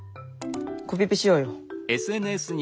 コピペしようよ。